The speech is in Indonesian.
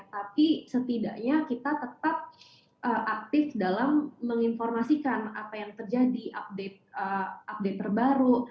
tapi setidaknya kita tetap aktif dalam menginformasikan apa yang terjadi update terbaru